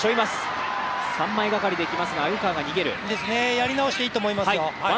やり直していいと思います。